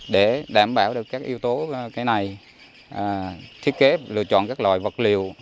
để đảm bảo được các yếu tố cái này thiết kế lựa chọn các loại vật liệu